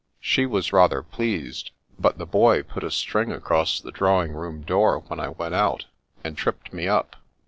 She was rather pleased, but the boy put a string across the drawing room door when I went out, and tripped me up.